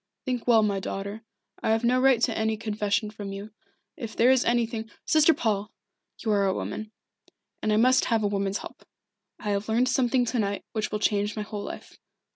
"Think well, my daughter. I have no right to any confession from you. If there is anything " "Sister Paul you are a woman, and I must have a woman's help. I have learned something to night which will change my whole life.